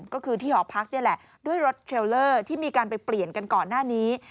ก็คือที่หอพักนี่แหละด้วยรถเทรลเลอร์ที่มีการไปเปลี่ยนกันก่อนหน้านี้